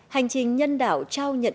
hành trình nhân đảo trao nhận